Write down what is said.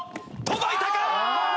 届いたかー！